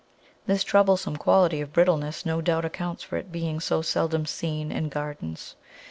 This troublesome quality of brittleness no doubt accounts for its being so seldom seen in gardens.